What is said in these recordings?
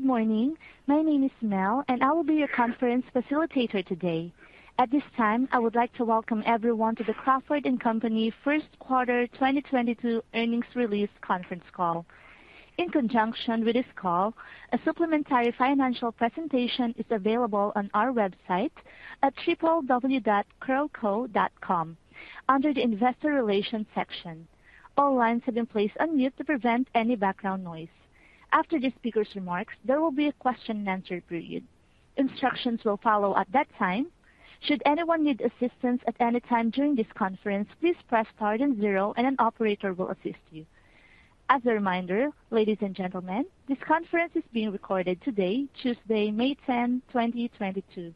Good morning. My name is Mel, and I will be your conference facilitator today. At this time, I would like to welcome everyone to the Crawford & Company first quarter 2022 earnings release conference call. In conjunction with this call, a supplementary financial presentation is available on our website at www.crawco.com under the Investor Relations section. All lines have been placed on mute to prevent any background noise. After the speaker's remarks, there will be a question-and-answer period. Instructions will follow at that time. Should anyone need assistance at any time during this conference, please press star then zero, and an operator will assist you. As a reminder, ladies and gentlemen, this conference is being recorded today, Tuesday, May 10, 2022.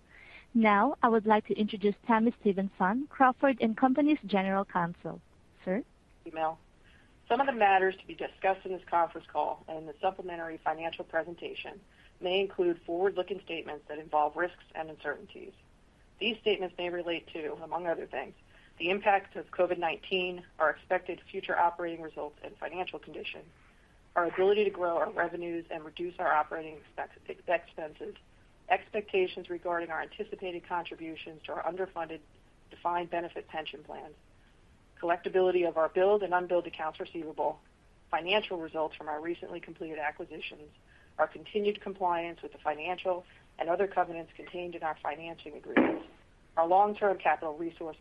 Now, I would like to introduce Tami Stevenson, Crawford & Company's General Counsel. Sir? Thank you, Mel. Some of the matters to be discussed in this conference call and the supplementary financial presentation may include forward-looking statements that involve risks and uncertainties. These statements may relate to, among other things, the impact of COVID-19, our expected future operating results and financial condition, our ability to grow our revenues and reduce our operating expenses, expectations regarding our anticipated contributions to our underfunded defined benefit pension plan, collectibility of our billed and unbilled accounts receivable, financial results from our recently completed acquisitions, our continued compliance with the financial and other covenants contained in our financing agreements, our long-term capital resource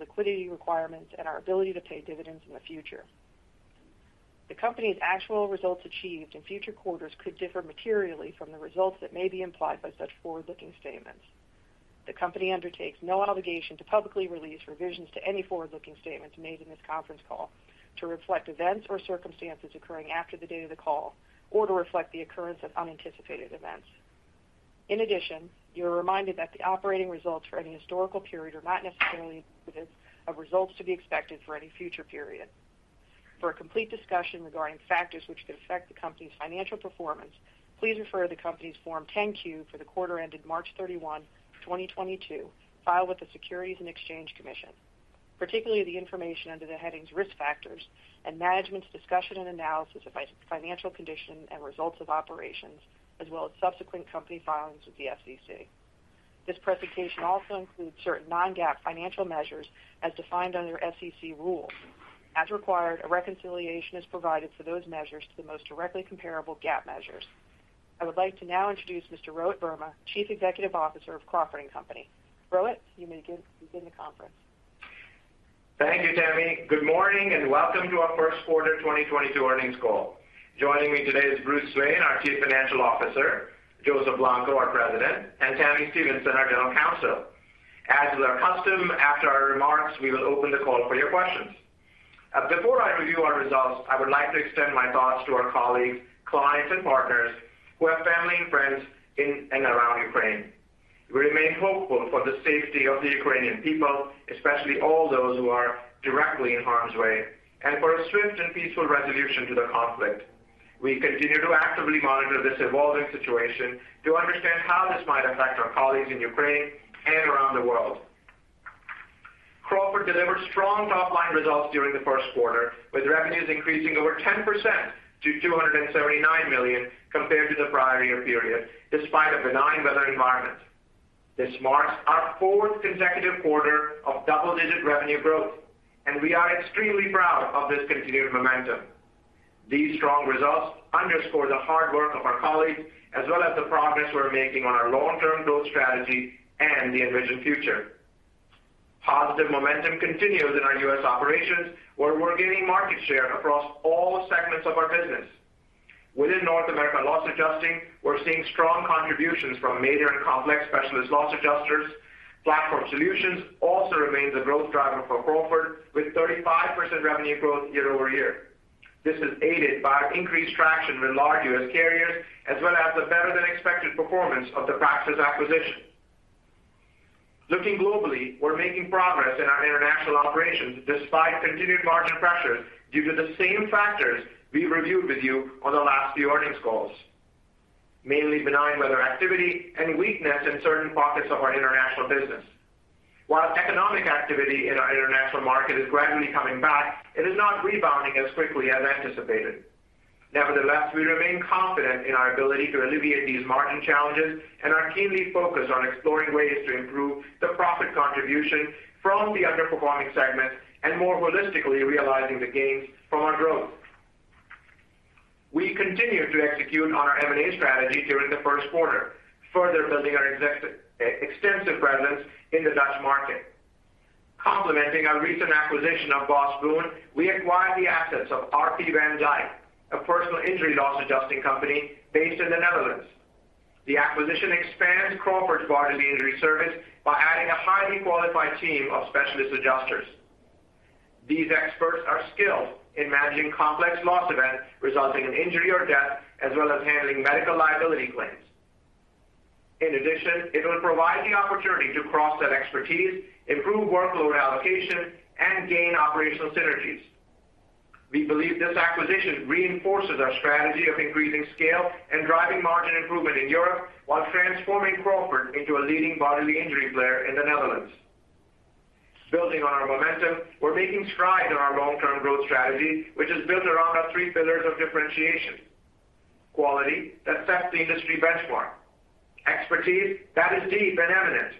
liquidity requirements, and our ability to pay dividends in the future. The company's actual results achieved in future quarters could differ materially from the results that may be implied by such forward-looking statements. The company undertakes no obligation to publicly release revisions to any forward-looking statements made in this conference call to reflect events or circumstances occurring after the date of the call or to reflect the occurrence of unanticipated events. In addition, you're reminded that the operating results for any historical period are not necessarily indicative of results to be expected for any future period. For a complete discussion regarding factors which could affect the company's financial performance, please refer to the company's Form 10-Q for the quarter ended March 31, 2022, filed with the Securities and Exchange Commission, particularly the information under the headings Risk Factors and Management's Discussion and Analysis of Financial Condition and Results of Operations, as well as subsequent company filings with the SEC. This presentation also includes certain non-GAAP financial measures as defined under SEC rules. As required, a reconciliation is provided for those measures to the most directly comparable GAAP measures. I would like to now introduce Mr. Rohit Verma, Chief Executive Officer of Crawford & Company. Rohit, you may begin the conference. Thank you, Tami. Good morning, and welcome to our first quarter 2022 earnings call. Joining me today is Bruce Swain, our Chief Financial Officer, Joseph Blanco, our President, and Tami Stevenson, our General Counsel. As is our custom, after our remarks, we will open the call for your questions. Before I review our results, I would like to extend my thoughts to our colleagues, clients and partners who have family and friends in and around Ukraine. We remain hopeful for the safety of the Ukrainian people, especially all those who are directly in harm's way, and for a swift and peaceful resolution to the conflict. We continue to actively monitor this evolving situation to understand how this might affect our colleagues in Ukraine and around the world. Crawford delivered strong top-line results during the first quarter, with revenues increasing over 10% to $279 million compared to the prior year period, despite a benign weather environment. This marks our fourth consecutive quarter of double-digit revenue growth, and we are extremely proud of this continued momentum. These strong results underscore the hard work of our colleagues as well as the progress we're making on our long-term growth strategy and the envisioned future. Positive momentum continues in our U.S. operations, where we're gaining market share across all segments of our business. Within North America Loss Adjusting, we're seeing strong contributions from major and complex specialist loss adjusters. Platform Solutions also remains a growth driver for Crawford, with 35% revenue growth year-over-year. This is aided by our increased traction with large U.S. carriers as well as the better-than-expected performance of the Praxis acquisition. Looking globally, we're making progress in our international operations despite continued margin pressures due to the same factors we reviewed with you on the last few earnings calls, mainly benign weather activity and weakness in certain pockets of our international business. While economic activity in our international market is gradually coming back, it is not rebounding as quickly as anticipated. Nevertheless, we remain confident in our ability to alleviate these margin challenges and are keenly focused on exploring ways to improve the profit contribution from the underperforming segments and more holistically realizing the gains from our growth. We continue to execute on our M&A strategy during the first quarter, further building our extensive presence in the Dutch market. Complementing our recent acquisition of BosBoon, we acquired the assets of R.P. van Dijk, a personal injury loss adjusting company based in the Netherlands. The acquisition expands Crawford's bodily injury service by adding a highly qualified team of specialist adjusters. These experts are skilled in managing complex loss events resulting in injury or death, as well as handling medical liability claims. In addition, it will provide the opportunity to cross that expertise, improve workload allocation, and gain operational synergies. We believe this acquisition reinforces our strategy of increasing scale and driving margin improvement in Europe while transforming Crawford into a leading bodily injury player in the Netherlands. Building on our momentum, we're making strides in our long-term growth strategy, which is built around our three pillars of differentiation. Quality that sets the industry benchmark, expertise that is deep and eminent,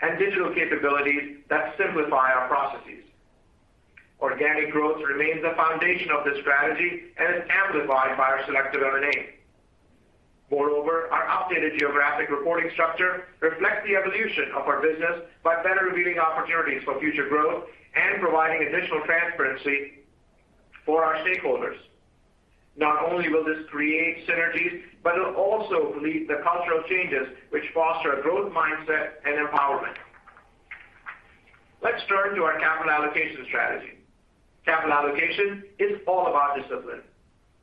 and digital capabilities that simplify our processes. Organic growth remains the foundation of this strategy and is amplified by our selective M&A. Moreover, our updated geographic reporting structure reflects the evolution of our business by better revealing opportunities for future growth and providing additional transparency for our stakeholders. Not only will this create synergies, but it'll also lead to cultural changes which foster a growth mindset and empowerment. Let's turn to our capital allocation strategy. Capital allocation is all about discipline.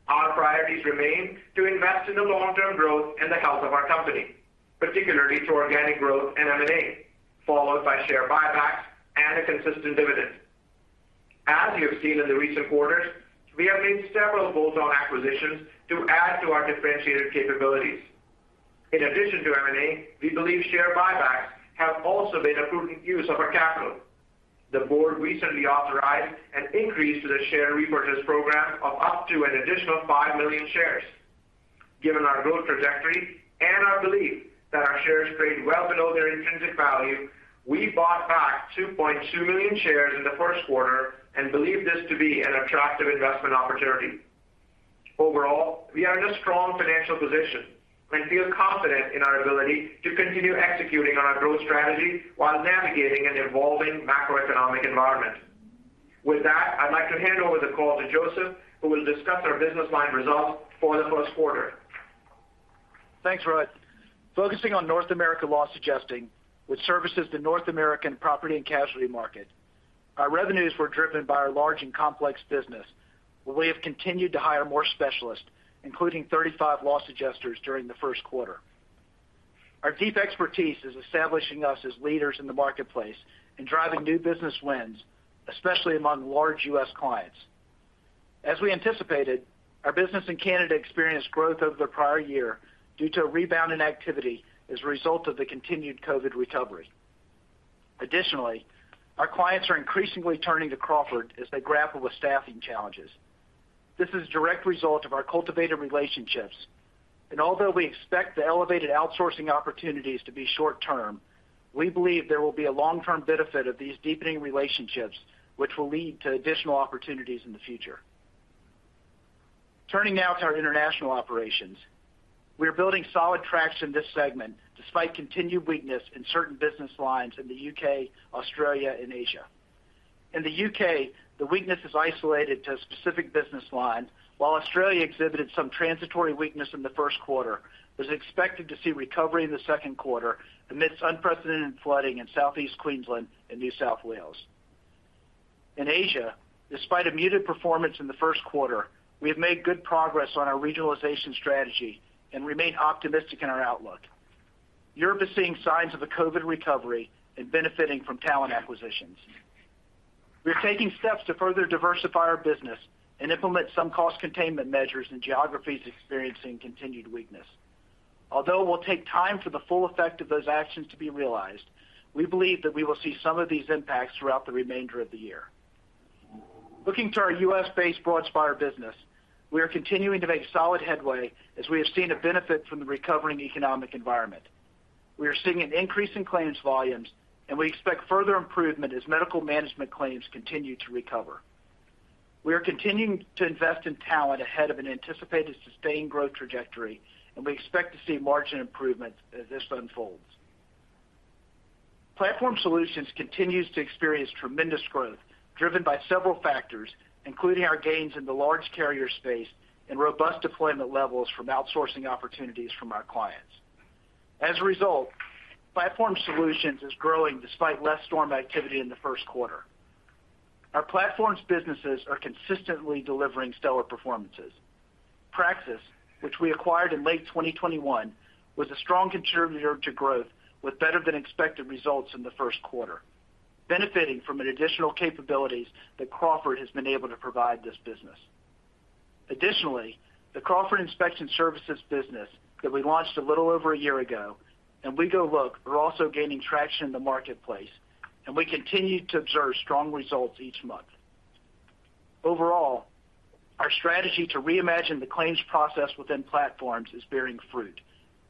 Our priorities remain to invest in the long-term growth and the health of our company, particularly through organic growth and M&A, followed by share buybacks and a consistent dividend. As you have seen in the recent quarters, we have made several bolt-on acquisitions to add to our differentiated capabilities. In addition to M&A, we believe share buybacks have also been a prudent use of our capital. The board recently authorized an increase to the share repurchase program of up to an additional 5 million shares. Given our growth trajectory and our belief that our shares trade well below their intrinsic value, we bought back 2.2 million shares in the first quarter and believe this to be an attractive investment opportunity. Overall, we are in a strong financial position and feel confident in our ability to continue executing on our growth strategy while navigating an evolving macroeconomic environment. With that, I'd like to hand over the call to Joseph Blanco, who will discuss our business line results for the first quarter. Thanks, Rohit. Focusing on North America Loss Adjusting, which services the North American property and casualty market. Our revenues were driven by our large and complex business, where we have continued to hire more specialists, including 35 loss adjusters during the first quarter. Our deep expertise is establishing us as leaders in the marketplace and driving new business wins, especially among large U.S. clients. As we anticipated, our business in Canada experienced growth over the prior year due to a rebound in activity as a result of the continued COVID recovery. Additionally, our clients are increasingly turning to Crawford as they grapple with staffing challenges. This is a direct result of our cultivated relationships. Although we expect the elevated outsourcing opportunities to be short-term, we believe there will be a long-term benefit of these deepening relationships, which will lead to additional opportunities in the future. Turning now to our international operations. We are building solid traction in this segment despite continued weakness in certain business lines in the U.K., Australia, and Asia. In the U.K., the weakness is isolated to a specific business line. While Australia exhibited some transitory weakness in the first quarter, it's expected to see recovery in the second quarter amidst unprecedented flooding in Southeast Queensland and New South Wales. In Asia, despite a muted performance in the first quarter, we have made good progress on our regionalization strategy and remain optimistic in our outlook. Europe is seeing signs of a COVID recovery and benefiting from talent acquisitions. We're taking steps to further diversify our business and implement some cost containment measures in geographies experiencing continued weakness. Although it will take time for the full effect of those actions to be realized, we believe that we will see some of these impacts throughout the remainder of the year. Looking to our U.S.-based Broadspire business, we are continuing to make solid headway as we have seen a benefit from the recovering economic environment. We are seeing an increase in claims volumes, and we expect further improvement as medical management claims continue to recover. We are continuing to invest in talent ahead of an anticipated sustained growth trajectory, and we expect to see margin improvements as this unfolds. Platform Solutions continues to experience tremendous growth driven by several factors, including our gains in the large carrier space and robust deployment levels from outsourcing opportunities from our clients. As a result, Platform Solutions is growing despite less storm activity in the first quarter. Our platforms businesses are consistently delivering stellar performances. Praxis, which we acquired in late 2021, was a strong contributor to growth with better than expected results in the first quarter, benefiting from an additional capabilities that Crawford has been able to provide this business. Additionally, the Crawford Inspection Services business that we launched a little over a year ago, and WeGoLook, are also gaining traction in the marketplace, and we continue to observe strong results each month. Overall, our strategy to reimagine the claims process within platforms is bearing fruit,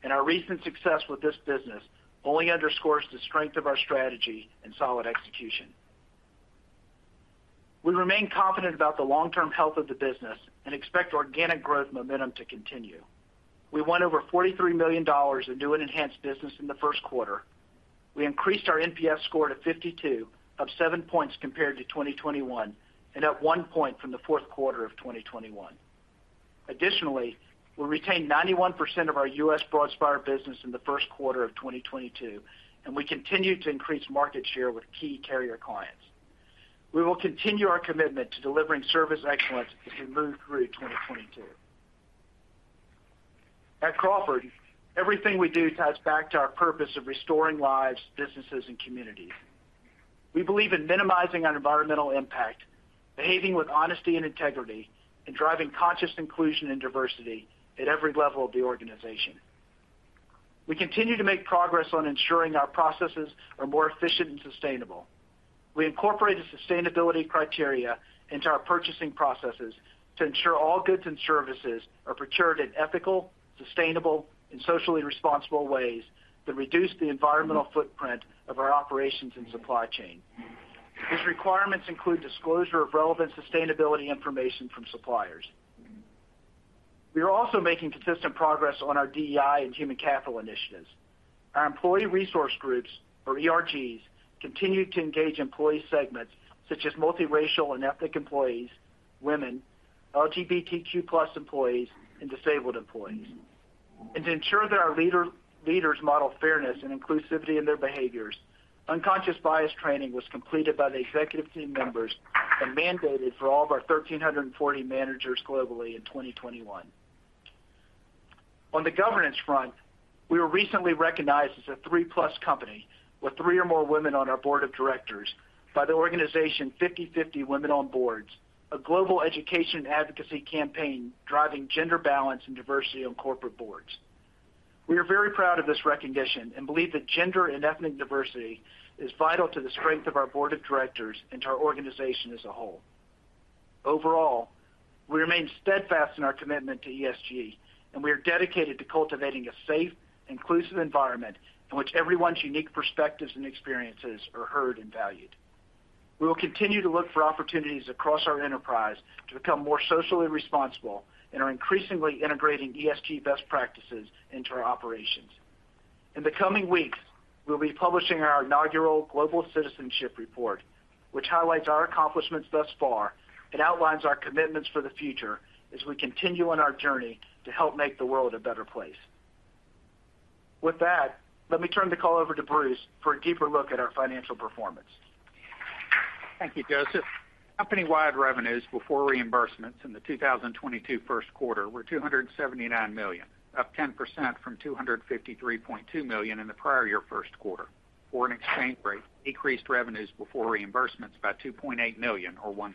and our recent success with this business only underscores the strength of our strategy and solid execution. We remain confident about the long-term health of the business and expect organic growth momentum to continue. We won over $43 million in new and enhanced business in the first quarter. We increased our NPS score to 52.7 points compared to 2021 and up 1 point from the fourth quarter of 2021. Additionally, we retained 91% of our U.S. Broadspire business in the first quarter of 2022, and we continue to increase market share with key carrier clients. We will continue our commitment to delivering service excellence as we move through 2022. At Crawford, everything we do ties back to our purpose of restoring lives, businesses, and communities. We believe in minimizing our environmental impact, behaving with honesty and integrity, and driving conscious inclusion and diversity at every level of the organization. We continue to make progress on ensuring our processes are more efficient and sustainable. We incorporate the sustainability criteria into our purchasing processes to ensure all goods and services are procured in ethical, sustainable, and socially responsible ways that reduce the environmental footprint of our operations and supply chain. These requirements include disclosure of relevant sustainability information from suppliers. We are also making consistent progress on our DEI and human capital initiatives. Our employee resource groups, or ERGs, continue to engage employee segments such as multiracial and ethnic employees, women, LGBTQ+ employees, and disabled employees. To ensure that our leaders model fairness and inclusivity in their behaviors, unconscious bias training was completed by the executive team members and mandated for all of our 1,340 managers globally in 2021. On the governance front, we were recently recognized as a 3+ company with three or more women on our board of directors by the organization 50/50 Women on Boards, a global education advocacy campaign driving gender balance and diversity on corporate boards. We are very proud of this recognition and believe that gender and ethnic diversity is vital to the strength of our board of directors and to our organization as a whole. Overall, we remain steadfast in our commitment to ESG, and we are dedicated to cultivating a safe, inclusive environment in which everyone's unique perspectives and experiences are heard and valued. We will continue to look for opportunities across our enterprise to become more socially responsible and are increasingly integrating ESG best practices into our operations. In the coming weeks, we'll be publishing our inaugural global citizenship report, which highlights our accomplishments thus far and outlines our commitments for the future as we continue on our journey to help make the world a better place. With that, let me turn the call over to Bruce for a deeper look at our financial performance. Thank you, Joseph. Company-wide revenues before reimbursements in the 2022 first quarter were $279 million, up 10% from $253.2 million in the prior year first quarter. Foreign exchange rate decreased revenues before reimbursements by $2.8 million or 1%.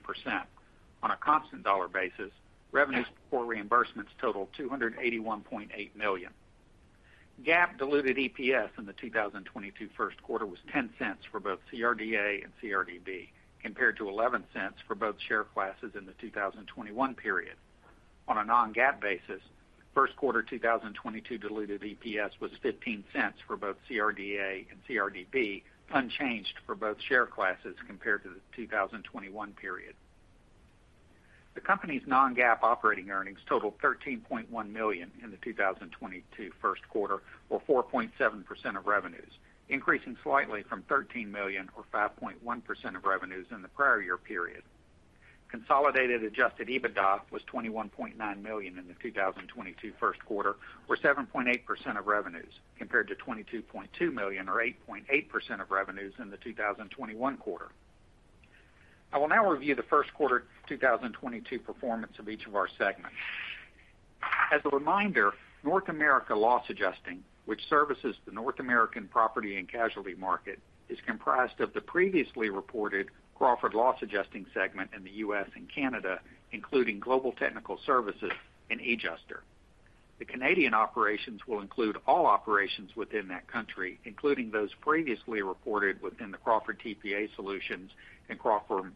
On a constant dollar basis, revenues before reimbursements totaled $281.8 million. GAAP diluted EPS in the 2022 first quarter was $0.10 for both CRDA and CRDB, compared to $0.11 for both share classes in the 2021 period. On a non-GAAP basis, first quarter 2022 diluted EPS was $0.15 for both CRDA and CRDB, unchanged for both share classes compared to the 2021 period. The company's non-GAAP operating earnings totaled $13.1 million in the 2022 first quarter, or 4.7% of revenues, increasing slightly from $13 million or 5.1% of revenues in the prior year period. Consolidated adjusted EBITDA was $21.9 million in the 2022 first quarter, or 7.8% of revenues, compared to $22.2 million or 8.8% of revenues in the 2021 quarter. I will now review the first quarter 2022 performance of each of our segments. As a reminder, North America Loss Adjusting, which services the North American property and casualty market, is comprised of the previously reported Crawford Loss Adjusting segment in the US and Canada, including Global Technical Services and edjuster. The Canadian operations will include all operations within that country, including those previously reported within the Crawford TPA Solutions and Crawford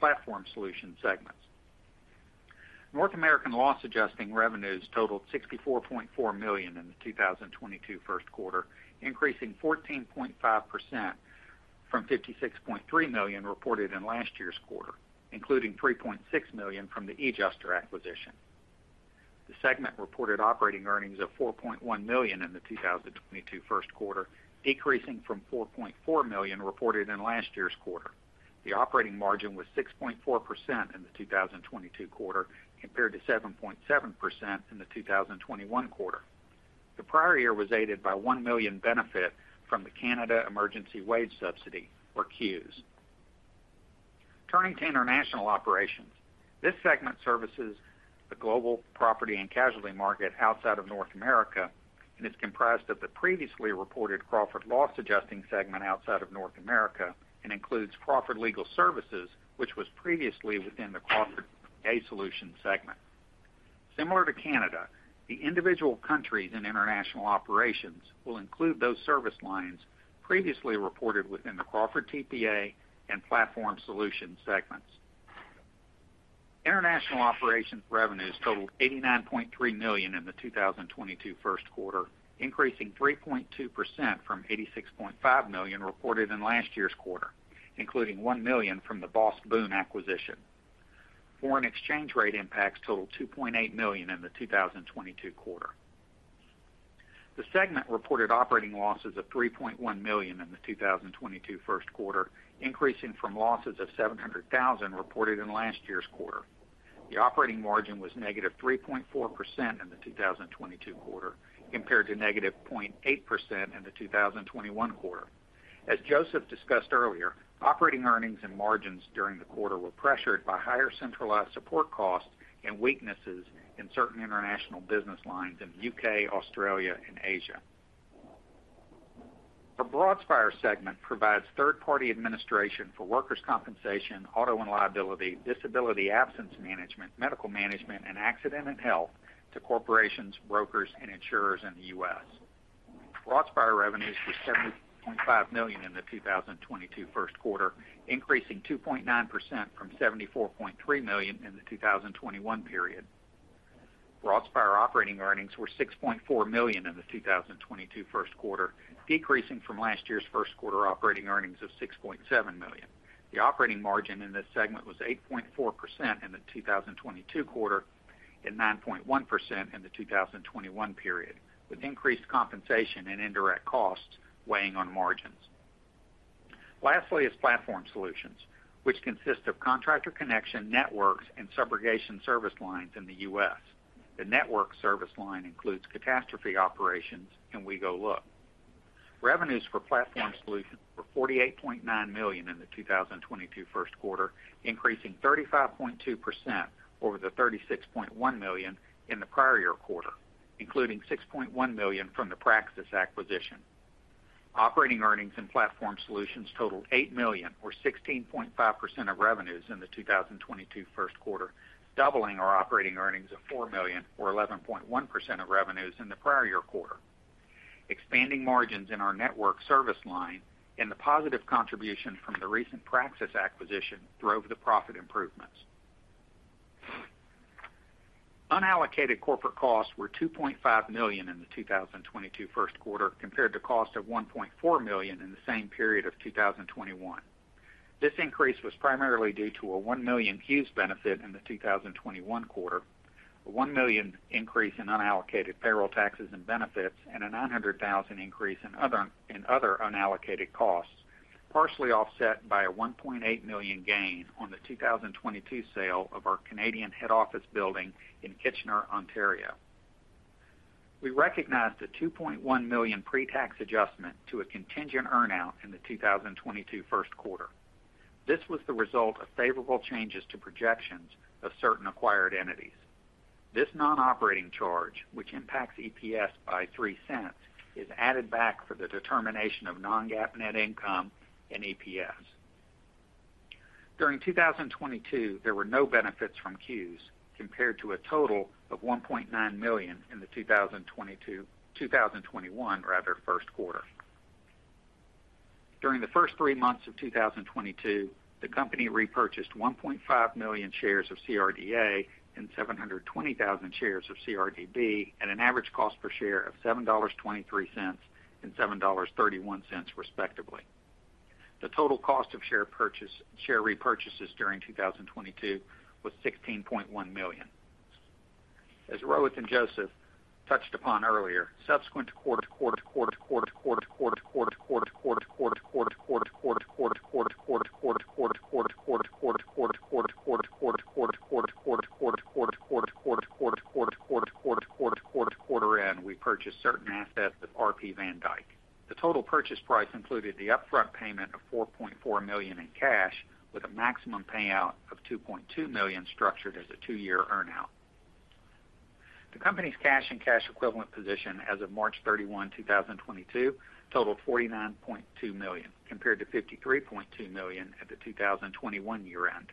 Platform Solutions segments. North America Loss Adjusting revenues totaled $64.4 million in the 2022 first quarter, increasing 14.5% from $56.3 million reported in last year's quarter, including $3.6 million from the edjuster acquisition. The segment reported operating earnings of $4.1 million in the 2022 first quarter, decreasing from $4.4 million reported in last year's quarter. The operating margin was 6.4% in the 2022 quarter compared to 7.7% in the 2021 quarter. The prior year was aided by 1 million benefit from the Canada Emergency Wage Subsidy, or CEWS. Turning to international operations. This segment services the global property and casualty market outside of North America, and it's comprised of the previously reported Crawford Loss Adjusting segment outside of North America and includes Crawford Legal Services, which was previously within the Crawford TPA Solutions segment. Similar to Canada, the individual countries in international operations will include those service lines previously reported within the Crawford TPA and Platform Solutions segments. International operations revenues totaled $89.3 million in the 2022 first quarter, increasing 3.2% from $86.5 million reported in last year's quarter, including $1 million from the BosBoon acquisition. Foreign exchange rate impacts totaled $2.8 million in the 2022 quarter. The segment reported operating losses of $3.1 million in the 2022 first quarter, increasing from losses of $700,000 reported in last year's quarter. The operating margin was -3.4% in the 2022 quarter compared to -0.8% in the 2021 quarter. As Joseph discussed earlier, operating earnings and margins during the quarter were pressured by higher centralized support costs and weaknesses in certain international business lines in the UK, Australia, and Asia. Our Broadspire segment provides third-party administration for workers' compensation, auto and liability, disability absence management, medical management, and accident and health to corporations, brokers, and insurers in the US. Broadspire revenues were $70.5 million in the 2022 first quarter, increasing 2.9% from $74.3 million in the 2021 period. Broadspire operating earnings were $6.4 million in the 2022 first quarter, decreasing from last year's first quarter operating earnings of $6.7 million. The operating margin in this segment was 8.4% in the 2022 quarter and 9.1% in the 2021 period, with increased compensation and indirect costs weighing on margins. Lastly is Platform Solutions, which consists of Contractor Connection networks and subrogation service lines in the U.S. The network service line includes catastrophe operations and WeGoLook. Revenues for Platform Solutions were $48.9 million in the 2022 first quarter, increasing 35.2% over the $36.1 million in the prior year quarter, including $6.1 million from the Praxis acquisition. Operating earnings in Platform Solutions totaled $8 million, or 16.5% of revenues in the 2022 first quarter, doubling our operating earnings of $4 million or 11.1% of revenues in the prior year quarter. Expanding margins in our network service line and the positive contribution from the recent Praxis acquisition drove the profit improvements. Unallocated corporate costs were $2.5 million in the 2022 first quarter, compared to costs of $1.4 million in the same period of 2021. This increase was primarily due to a $1 million CEWS benefit in the 2021 quarter, a $1 million increase in unallocated payroll taxes and benefits, and a $900,000 increase in other unallocated costs, partially offset by a $1.8 million gain on the 2022 sale of our Canadian head office building in Kitchener, Ontario. We recognized a $2.1 million pre-tax adjustment to a contingent earn-out in the 2022 first quarter. This was the result of favorable changes to projections of certain acquired entities. This non-operating charge, which impacts EPS by $0.03, is added back for the determination of non-GAAP net income and EPS. During 2022, there were no benefits from CEWS, compared to a total of $1.9 million in the 2021 first quarter. During the first three months of 2022, the company repurchased 1.5 million shares of CRDA and 720,000 shares of CRDB at an average cost per share of $7.23 and $7.31, respectively. The total cost of share repurchases during 2022 was $16.1 million. As Rohit and Joseph touched upon earlier, subsequent to quarter end, we purchased certain assets of R.P. van Dijk. The total purchase price included the upfront payment of $4.4 million in cash with a maximum payout of $2.2 million structured as a two-year earn-out. The company's cash and cash equivalent position as of March 31, 2022 totaled $49.2 million compared to $53.2 million at the 2021 year-end.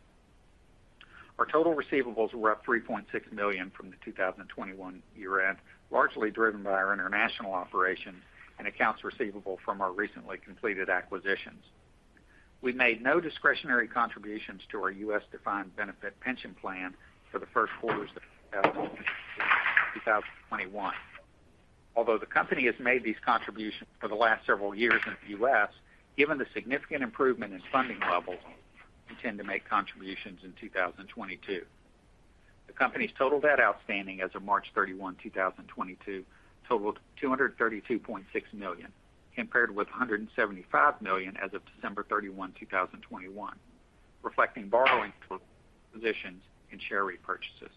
Our total receivables were up $3.6 million from the 2021 year-end, largely driven by our international operations and accounts receivable from our recently completed acquisitions. We made no discretionary contributions to our US defined benefit pension plan for the first quarter of 2021. Although the company has made these contributions for the last several years in the US, given the significant improvement in funding levels, we intend to make contributions in 2022. The company's total debt outstanding as of March 31, 2022 totaled $232.6 million, compared with $175 million as of December 31, 2021, reflecting borrowing positions and share repurchases.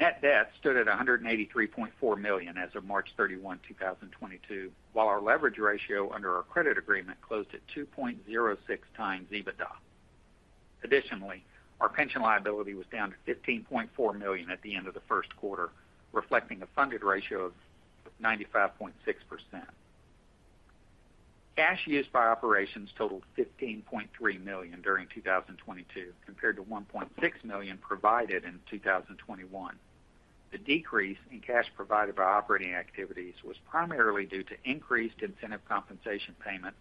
Net debt stood at $183.4 million as of March 31, 2022, while our leverage ratio under our credit agreement closed at 2.06x EBITDA. Additionally, our pension liability was down to $15.4 million at the end of the first quarter, reflecting a funded ratio of 95.6%. Cash used by operations totaled $15.3 million during 2022, compared to $1.6 million provided in 2021. The decrease in cash provided by operating activities was primarily due to increased incentive compensation payments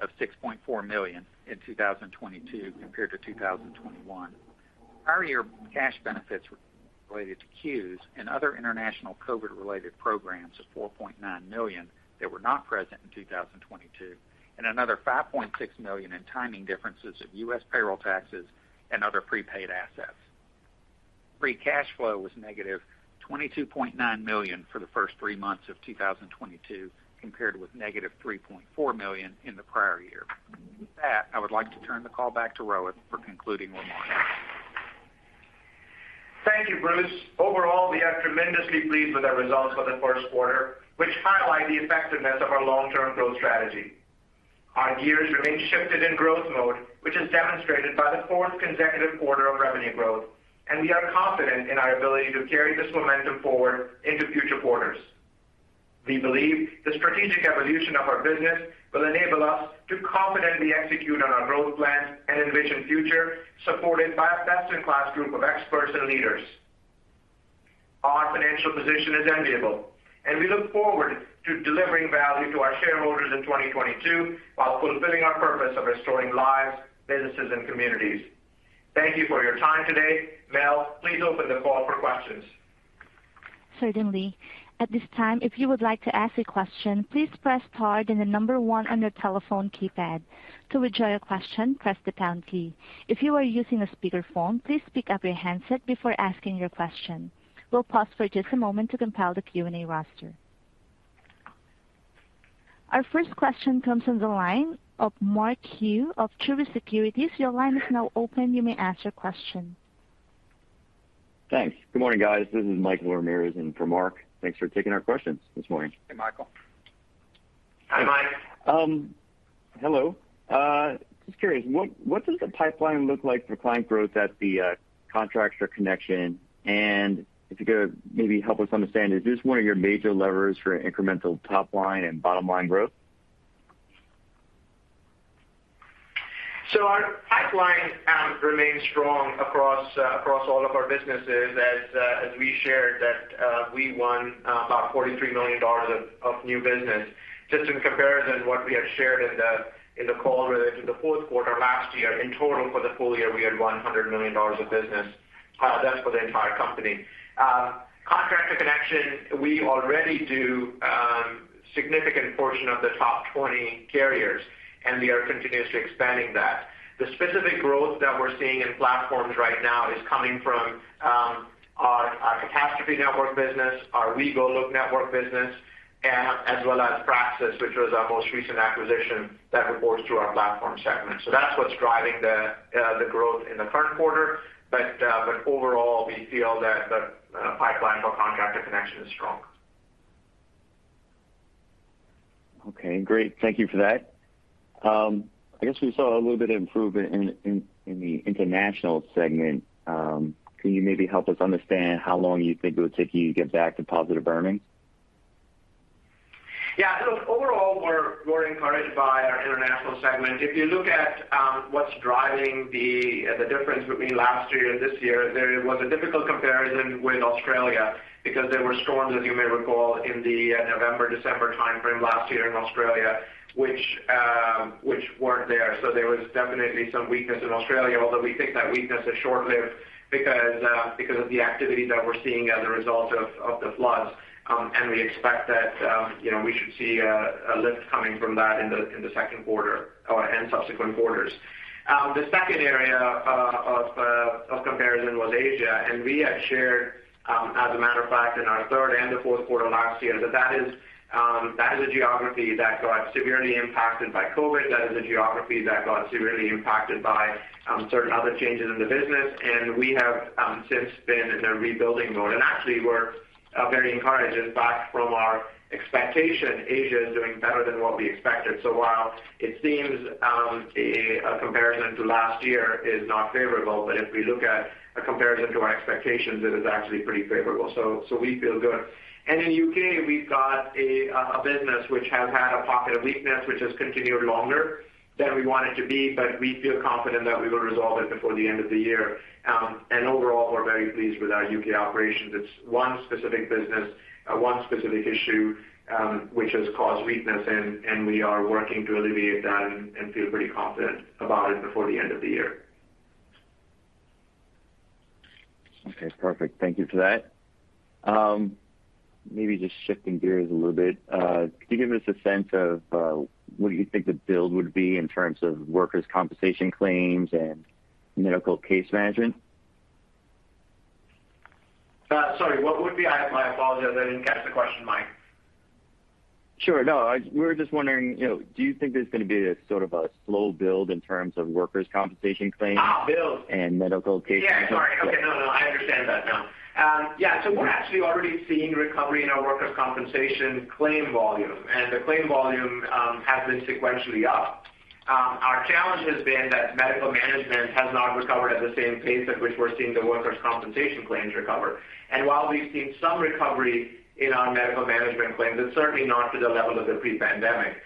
of $6.4 million in 2022 compared to 2021. Prior year cash benefits related to CEWS and other international COVID-related programs of $4.9 million that were not present in 2022, and another $5.6 million in timing differences of U.S. payroll taxes and other prepaid assets. Free cash flow was -$22.9 million for the first three months of 2022, compared with -$3.4 million in the prior year. With that, I would like to turn the call back to Rohit for concluding remarks. Thank you, Bruce. Overall, we are tremendously pleased with our results for the first quarter, which highlight the effectiveness of our long-term growth strategy. Our gears remain shifted in growth mode, which is demonstrated by the fourth consecutive quarter of revenue growth, and we are confident in our ability to carry this momentum forward into future quarters. We believe the strategic evolution of our business will enable us to confidently execute on our growth plans and envision future supported by a best-in-class group of experts and leaders. Our financial position is enviable, and we look forward to delivering value to our shareholders in 2022 while fulfilling our purpose of restoring lives, businesses and communities. Thank you for your time today. Mel, please open the call for questions. Certainly. At this time, if you would like to ask a question, please press star then the number one on your telephone keypad. To withdraw your question, press the pound key. If you are using a speakerphone, please pick up your handset before asking your question. We'll pause for just a moment to compile the Q&A roster. Our first question comes on the line of Mark Hughes of Truist Securities. Your line is now open. You may ask your question. Thanks. Good morning, guys. This is Michael Ramirez in for Mark. Thanks for taking our questions this morning. Hey, Michael. Hi, Mike. Hello. Just curious, what does the pipeline look like for client growth at the Contractor Connection? If you could maybe help us understand, is this one of your major levers for incremental top line and bottom line growth? Our pipeline remains strong across all of our businesses as we shared that we won about $43 million of new business. Just in comparison, what we had shared in the call related to the fourth quarter last year, in total for the full year, we had $100 million of business. That's for the entire company. Contractor Connection, we already do significant portion of the top 20 carriers, and we are continuously expanding that. The specific growth that we're seeing in platforms right now is coming from our Catastrophe Network business, our WeGoLook network business, and as well as Praxis, which was our most recent acquisition that reports through our platform segment. That's what's driving the growth in the current quarter. Overall, we feel that the pipeline for Contractor Connection is strong. Okay, great. Thank you for that. I guess we saw a little bit of improvement in the international segment. Can you maybe help us understand how long you think it would take you to get back to positive earnings? Yeah. Look, overall, we're encouraged by our international segment. If you look at what's driving the difference between last year and this year, there was a difficult comparison with Australia because there were storms, as you may recall, in the November, December timeframe last year in Australia, which weren't there. There was definitely some weakness in Australia, although we think that weakness is short-lived because of the activity that we're seeing as a result of the floods. We expect that, you know, we should see a lift coming from that in the second quarter and subsequent quarters. The second area of comparison was Asia. We had shared, as a matter of fact, in our third and the fourth quarter last year, that is a geography that got severely impacted by COVID. That is a geography that got severely impacted by certain other changes in the business. We have since been in a rebuilding mode. Actually we're very encouraged. In fact, from our expectation, Asia is doing better than what we expected. So while it seems a comparison to last year is not favorable, but if we look at a comparison to our expectations, it is actually pretty favorable. So we feel good. In the U.K., we've got a business which has had a pocket of weakness, which has continued longer than we want it to be, but we feel confident that we will resolve it before the end of the year. Overall, we're very pleased with our U.K. operations. It's one specific business, one specific issue, which has caused weakness, and we are working to alleviate that and feel pretty confident about it before the end of the year. Okay, perfect. Thank you for that. Maybe just shifting gears a little bit. Could you give us a sense of what you think the build would be in terms of workers' compensation claims and medical case management? Sorry, my apologies. I didn't catch the question, Mike. Sure. No. We were just wondering, you know, do you think there's gonna be a sort of a slow build in terms of workers' compensation claims? Ah, build. medical case management? Yeah, sorry. Okay. No, I understand that now. Yeah. We're actually already seeing recovery in our workers' compensation claim volume, and the claim volume has been sequentially up. Our challenge has been that medical management has not recovered at the same pace at which we're seeing the workers' compensation claims recover. While we've seen some recovery in our medical management claims, it's certainly not to the level of the pre-pandemic.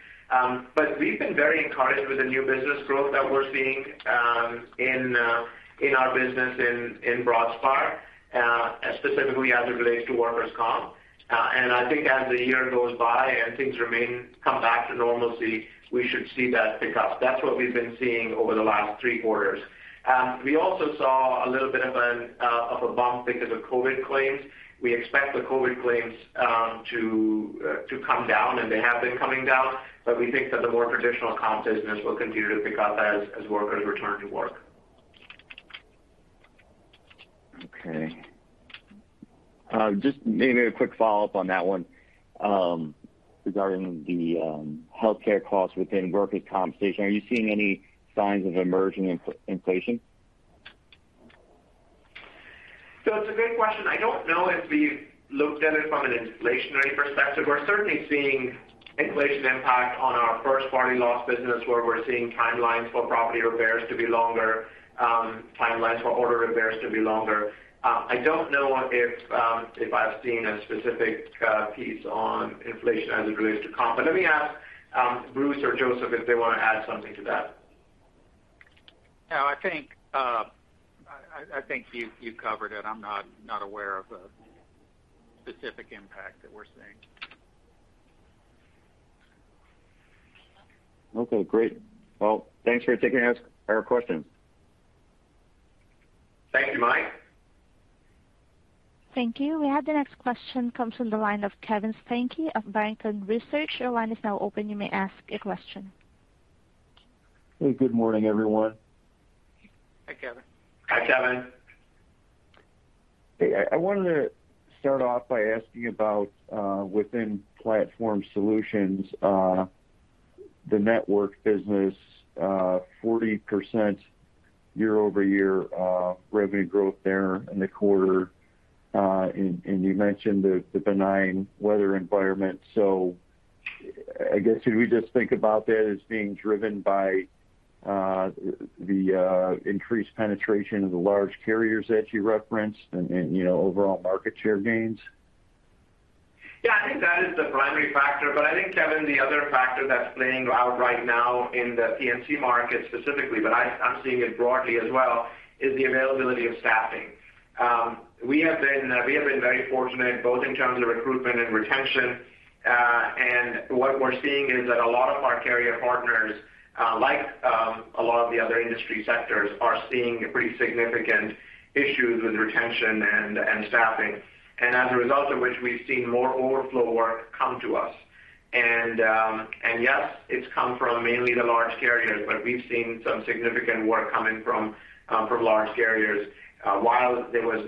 We've been very encouraged with the new business growth that we're seeing in our business in Broadspire, specifically as it relates to workers' comp. I think as the year goes by and things come back to normalcy, we should see that pick up. That's what we've been seeing over the last three quarters. We also saw a little bit of a bump because of COVID claims. We expect the COVID claims to come down, and they have been coming down, but we think that the more traditional comp business will continue to pick up as workers return to work. Okay. Just maybe a quick follow-up on that one, regarding the healthcare costs within workers' compensation. Are you seeing any signs of emerging inflation? It's a great question. I don't know if we've looked at it from an inflationary perspective. We're certainly seeing inflation impact on our first-party loss business, where we're seeing timelines for property repairs to be longer, timelines for order repairs to be longer. I don't know if I've seen a specific piece on inflation as it relates to comp. Let me ask Bruce or Joseph if they want to add something to that. No, I think you covered it. I'm not aware of a specific impact that we're seeing. Okay, great. Well, thanks for asking our questions. Thank you, Mike. Thank you. We have the next question comes from the line of Kevin Steinke of Barrington Research. Your line is now open. You may ask your question. Hey, good morning, everyone. Hi, Kevin. Hi, Kevin. Hey. I wanted to start off by asking about within Platform Solutions, the network business, 40% year-over-year revenue growth there in the quarter. You mentioned the benign weather environment. I guess should we just think about that as being driven by the increased penetration of the large carriers that you referenced and you know overall market share gains? Yeah, I think that is the primary factor. I think, Kevin, the other factor that's playing out right now in the P&C market specifically, but I'm seeing it broadly as well, is the availability of staffing. We have been very fortunate both in terms of recruitment and retention. What we're seeing is that a lot of our carrier partners, like, a lot of the other industry sectors are seeing pretty significant issues with retention and staffing. As a result of which we've seen more overflow work come to us. Yes, it's come from mainly the large carriers, but we've seen some significant work coming from large carriers while there was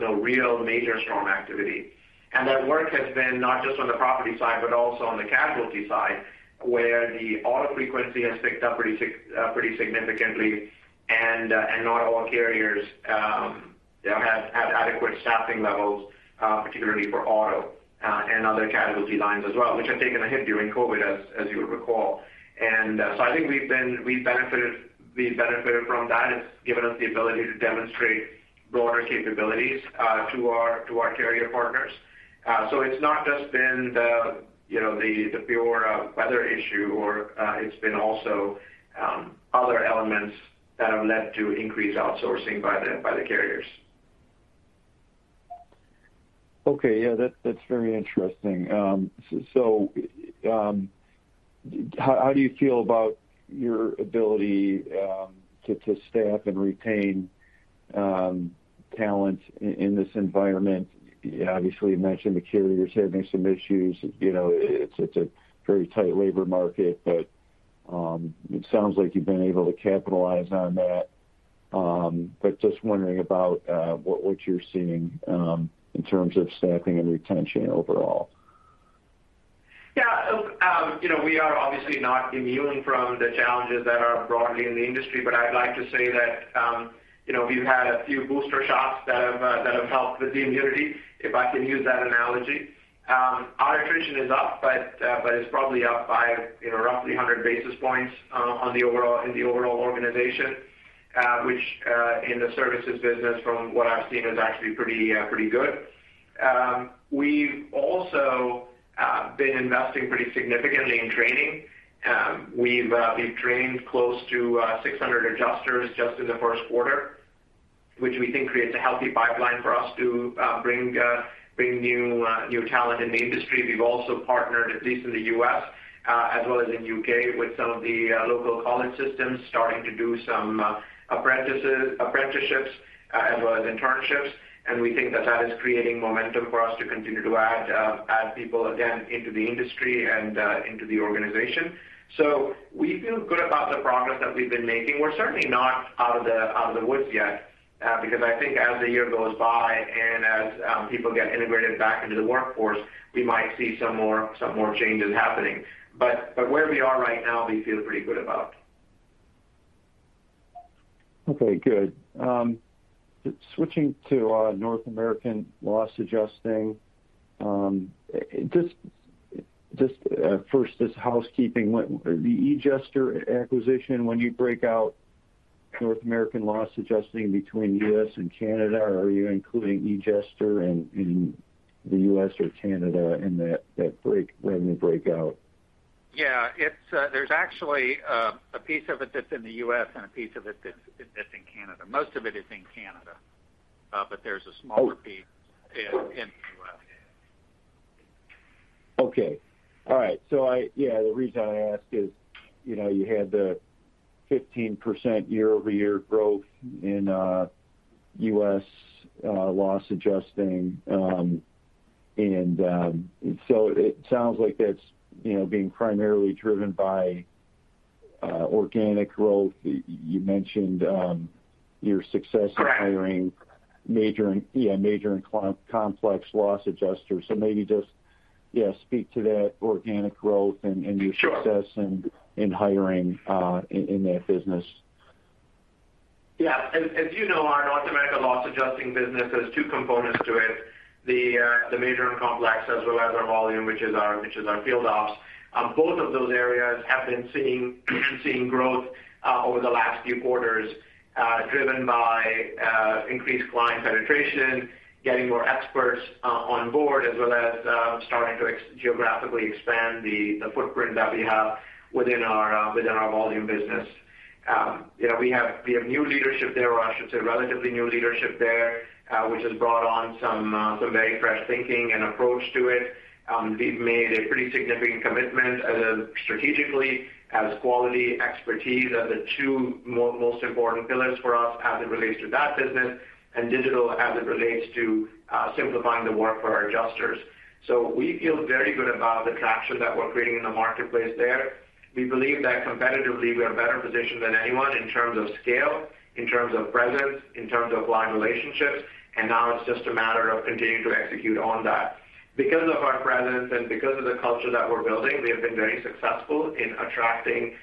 no real major storm activity. That work has been not just on the property side, but also on the casualty side, where the auto frequency has picked up pretty significantly and not all carriers have had adequate staffing levels, particularly for auto and other casualty lines as well, which have taken a hit during COVID as you would recall. I think we've benefited from that. It's given us the ability to demonstrate broader capabilities to our carrier partners. It's not just been the, you know, the pure weather issue or, it's been also other elements that have led to increased outsourcing by the carriers. Okay. Yeah, that's very interesting. How do you feel about your ability to staff and retain talent in this environment? Obviously, you mentioned the carriers having some issues. You know, it's a very tight labor market, but it sounds like you've been able to capitalize on that. Just wondering about what you're seeing in terms of staffing and retention overall. Yeah. Look, you know, we are obviously not immune from the challenges that are broadly in the industry, but I'd like to say that, you know, we've had a few booster shots that have helped with the immunity, if I can use that analogy. Our attrition is up, but it's probably up by, you know, roughly 100 basis points in the overall organization, which in the services business from what I've seen is actually pretty good. We've also been investing pretty significantly in training. We've trained close to 600 adjusters just in the first quarter, which we think creates a healthy pipeline for us to bring new talent in the industry. We've also partnered, at least in the U.S., as well as in U.K., with some of the local college systems starting to do some apprenticeships as well as internships. We think that is creating momentum for us to continue to add people again into the industry and into the organization. We feel good about the progress that we've been making. We're certainly not out of the woods yet, because I think as the year goes by and as people get integrated back into the workforce, we might see some more changes happening. Where we are right now, we feel pretty good about. Okay, good. Switching to North America Loss Adjusting. Just first as housekeeping. When the edjuster acquisition, when you break out North America Loss Adjusting between U.S. and Canada, are you including edjuster in the U.S. or Canada in that break out? Yeah. It's, there's actually a piece of it that's in the U.S. and a piece of it that's in Canada. Most of it is in Canada, but there's a smaller piece in the U.S. Okay. All right. The reason I ask is, you know, you had the 15% year-over-year growth in U.S. loss adjusting. It sounds like that's, you know, being primarily driven by organic growth. You mentioned your success in hiring major and complex loss adjusters. Maybe speak to that organic growth and your- Sure... success in hiring in that business. Yeah. As you know, our North America Loss Adjusting business has two components to it, the major and complex as well as our volume, which is our field ops. Both of those areas have been seeing growth over the last few quarters, driven by increased client penetration, getting more experts on board, as well as starting to geographically expand the footprint that we have within our volume business. You know, we have new leadership there, or I should say relatively new leadership there, which has brought on some very fresh thinking and approach to it. We've made a pretty significant commitment. Strategically, quality, expertise are the two most important pillars for us as it relates to that business and digital as it relates to simplifying the work for our adjusters. We feel very good about the traction that we're creating in the marketplace there. We believe that competitively, we are better positioned than anyone in terms of scale, in terms of presence, in terms of client relationships, and now it's just a matter of continuing to execute on that. Because of our presence and because of the culture that we're building, we have been very successful in attracting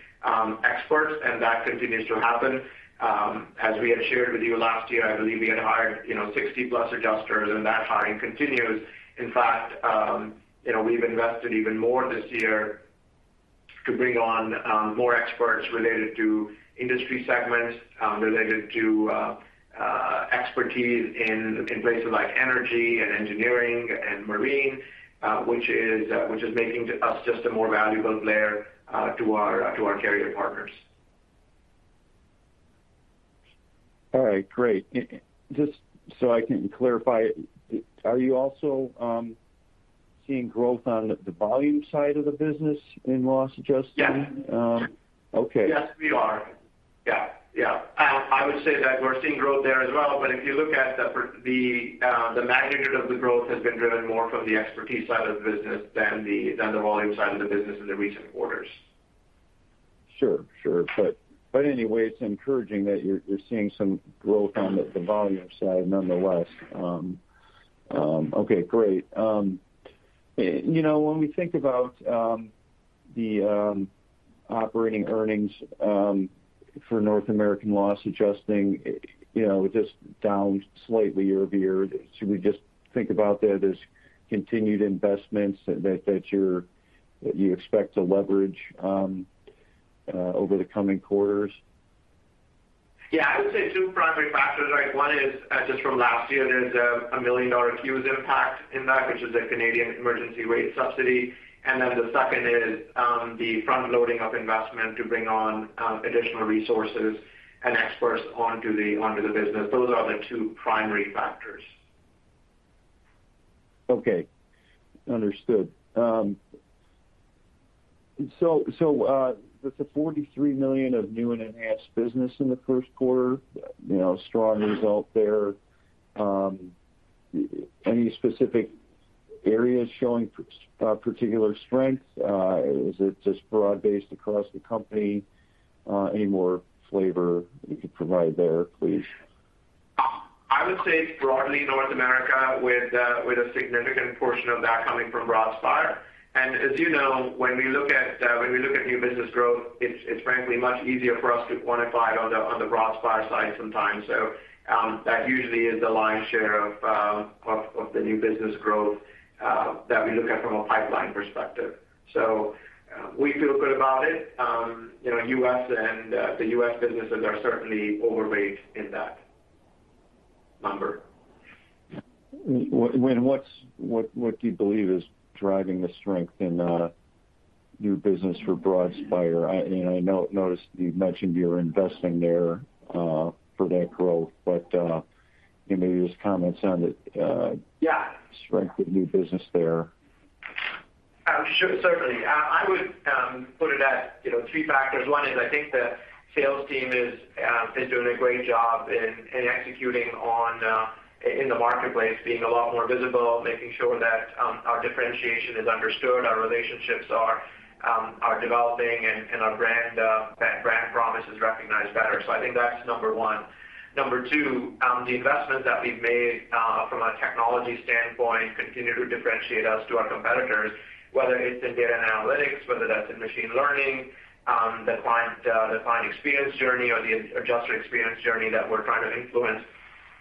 experts, and that continues to happen. As we had shared with you last year, I believe we had hired, you know, 60+ adjusters, and that hiring continues. In fact, you know, we've invested even more this year to bring on more experts related to industry segments related to expertise in places like energy and engineering and marine, which is making us just a more valuable player to our carrier partners. All right. Great. Just so I can clarify, are you also seeing growth on the volume side of the business in loss adjusting? Yes. Okay. Yes, we are. Yeah, yeah. I would say that we're seeing growth there as well, but if you look at the magnitude of the growth has been driven more from the expertise side of the business than the volume side of the business in the recent quarters. Sure. Anyway, it's encouraging that you're seeing some growth on the volume side nonetheless. Okay. Great. You know, when we think about the operating earnings for North America Loss Adjusting, you know, just down slightly year-over-year. Should we just think about that as continued investments that you expect to leverage over the coming quarters? Yeah. I would say two primary factors, right? One is just from last year, there's a $1 million CEWS impact in that, which is a Canada Emergency Wage Subsidy. The second is the front loading of investment to bring on additional resources and experts onto the business. Those are the two primary factors. Okay. Understood. With the $43 million of new and enhanced business in the first quarter, you know, strong result there, any specific areas showing particular strength? Is it just broad-based across the company? Any more flavor you could provide there, please? I would say broadly North America with a significant portion of that coming from Broadspire. As you know, when we look at new business growth, it's frankly much easier for us to quantify it on the Broadspire side sometimes. That usually is the lion's share of the new business growth that we look at from a pipeline perspective. We feel good about it. You know, U.S. and the U.S. businesses are certainly overweight in that number. What do you believe is driving the strength in new business for Broadspire? You know, I noticed you mentioned you were investing there for that growth. Maybe just comments on the. Yeah Strength of new business there. Sure. Certainly. I would put it at, you know, three factors. One is I think the sales team has been doing a great job in executing on in the marketplace, being a lot more visible, making sure that our differentiation is understood, our relationships are developing, and our brand that brand promise is recognized better. I think that's number one. Number two, the investments that we've made from a technology standpoint continue to differentiate us from our competitors, whether it's in data and analytics, whether that's in machine learning, the client experience journey or the adjuster experience journey that we're trying to influence.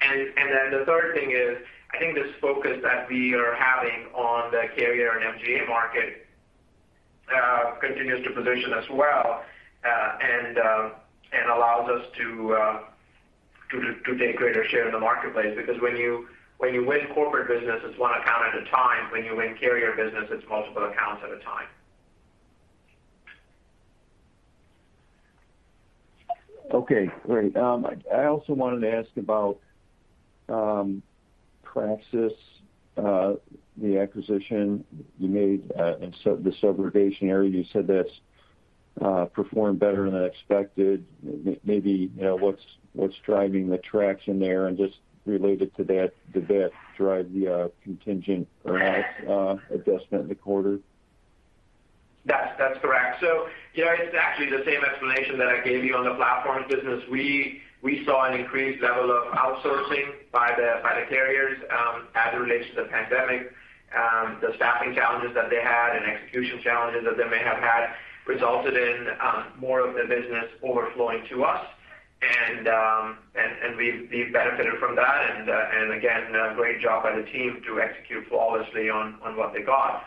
The third thing is, I think this focus that we are having on the carrier and MGA market continues to position us well and allows us to take greater share in the marketplace. Because when you win corporate business, it's one account at a time. When you win carrier business, it's multiple accounts at a time. Okay. Great. I also wanted to ask about Praxis, the acquisition you made in the subrogation area. You said that's performed better than expected. Maybe, you know, what's driving the traction there? Just related to that, did that drive the contingent earnout adjustment in the quarter? That's correct. Gary, it's actually the same explanation that I gave you on the platforms business. We saw an increased level of outsourcing by the carriers, as it relates to the pandemic. The staffing challenges that they had and execution challenges that they may have had resulted in more of the business overflowing to us. We've benefited from that. Again, great job by the team to execute flawlessly on what they got.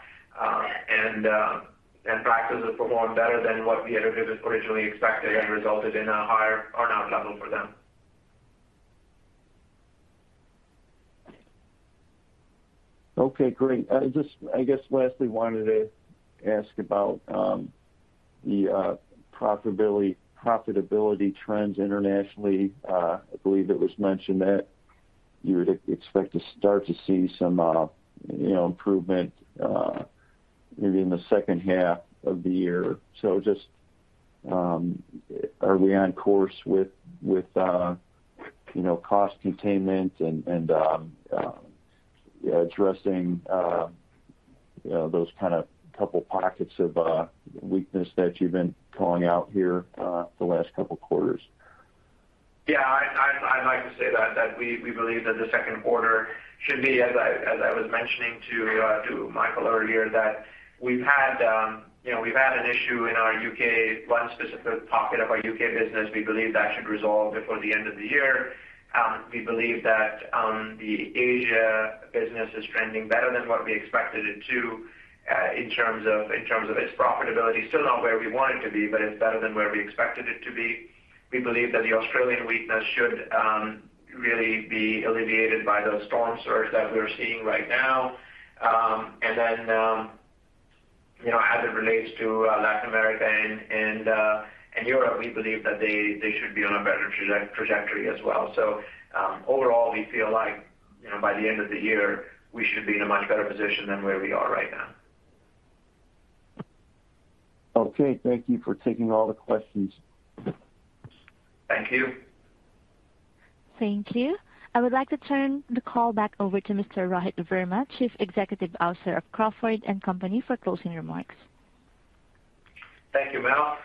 Praxis has performed better than what we had originally expected and resulted in a higher earn-out level for them. Okay, great. I guess lastly wanted to ask about the profitability trends internationally. I believe it was mentioned that you would expect to start to see some you know improvement maybe in the second half of the year. Just are we on course with you know cost containment and addressing you know those kind of couple pockets of weakness that you've been calling out here the last couple quarters? Yeah, I'd like to say that we believe that the second quarter should be, as I was mentioning to Michael earlier, that we've had you know an issue in our U.K., one specific pocket of our U.K. business. We believe that should resolve before the end of the year. We believe that the Asia business is trending better than what we expected it to in terms of its profitability. Still not where we want it to be, but it's better than where we expected it to be. We believe that the Australian weakness should really be alleviated by those storm surge that we're seeing right now. You know, as it relates to Latin America and Europe, we believe that they should be on a better trajectory as well. Overall, we feel like, you know, by the end of the year, we should be in a much better position than where we are right now. Okay. Thank you for taking all the questions. Thank you. Thank you. I would like to turn the call back over to Mr. Rohit Verma, Chief Executive Officer of Crawford & Company, for closing remarks. Thank you, Mel.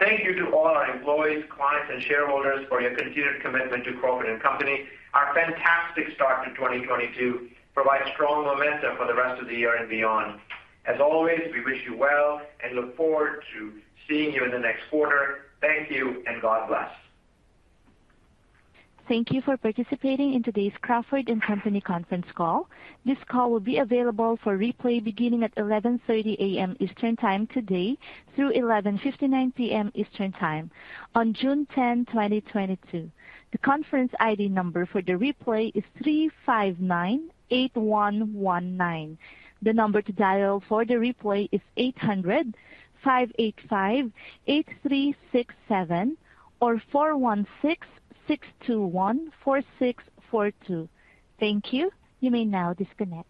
Thank you to all our employees, clients and shareholders for your continued commitment to Crawford & Company. Our fantastic start to 2022 provides strong momentum for the rest of the year and beyond. As always, we wish you well and look forward to seeing you in the next quarter. Thank you and God bless. Thank you for participating in today's Crawford & Company conference call. This call will be available for replay beginning at 11:30 A.M. Eastern time today through 11:59 P.M. Eastern time on June 10, 2022. The conference ID number for the replay is 3598119. The number to dial for the replay is 800-585-8367 or 416-621-4642. Thank you. You may now disconnect.